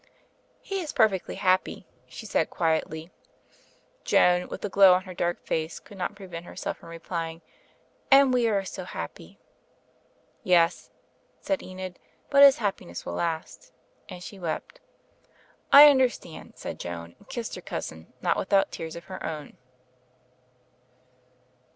"He is perfectly happy,*' she said quietly. Joan, with the glow on her dark face, could not prevent herself from replying, "And we are so happy." "Yes,*' said Enid, "but his happiness will last," and she wept. "I understand," said Joan, and kissed her cousin, not without tears of her own.